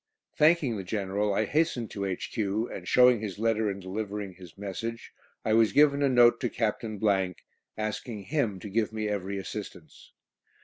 Thanking the General, I hastened to H.Q., and showing his letter and delivering his message, I was given a note to Captain , asking him to give me every assistance.